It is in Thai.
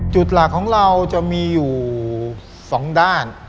จุดหลักของเราจะมีอยู่๒ด้าน